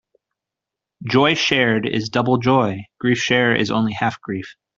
Joy shared is double joy; grief shared is only half grief.